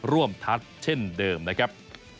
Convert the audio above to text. ทัศน์เช่นเดิมนะครับ